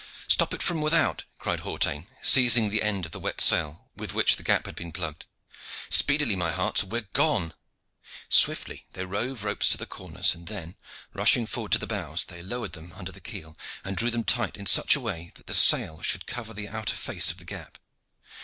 "Stop it from without!" cried Hawtayne, seizing the end of the wet sail with which the gap had been plugged. "Speedily, my hearts, or we are gone!" Swiftly they rove ropes to the corners, and then, rushing forward to the bows, they lowered them under the keel, and drew them tight in such a way that the sail should cover the outer face of the gap.